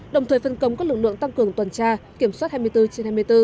đồng thời phân công các lực lượng tăng cường tuần tra kiểm soát hai mươi bốn trên hai mươi bốn